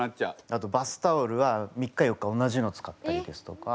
あとバスタオルは３日４日同じの使ったりですとか。